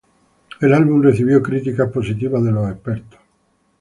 El álbum recibió críticas positivas de los expertos.